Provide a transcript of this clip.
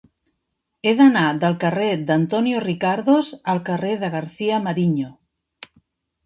He d'anar del carrer d'Antonio Ricardos al carrer de García-Mariño.